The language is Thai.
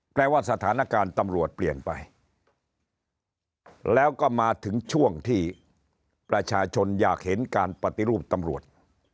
แปลว่าสถานการณ์ตำรวจเปลี่ยนไปแล้วก็มาถึงช่วงที่ประชาชนอยากเห็นการปฏิรูปตำรวจ